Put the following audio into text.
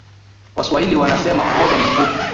waswahili wanasema umoja ni nguvu